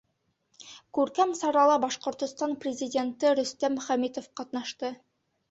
Күркәм сарала Башҡортостан Президенты Рөстәм Хәмитов ҡатнашты.